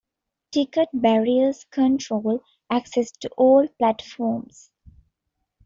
Ticket barriers control access to all platforms.